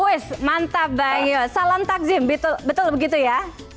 wis mantap bang yos salam takzim betul begitu ya